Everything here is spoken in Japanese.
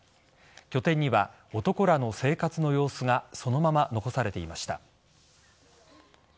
拠点には、男らの生活の様子がそのまま残されていました。